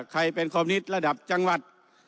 ใครเป็นคอมนิตระดับจังหวัด